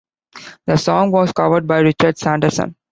The song was covered by Richard Sanderson.